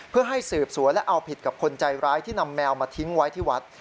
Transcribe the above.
เพื่อให้สืบสวนและเอาผิดกับคนใจร้ายที่นำแมวมาทิ้งไว้ที่วัด